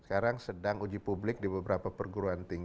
sekarang sedang uji publik di beberapa perguruan lainnya ya